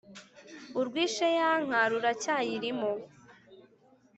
Urwishe ya nka ruracyayirimo.